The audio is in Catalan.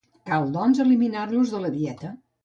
Cal, doncs, eliminar-los de la dieta.